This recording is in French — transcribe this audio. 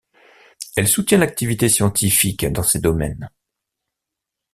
Elle soutient l’activité scientifique dans ces domaines.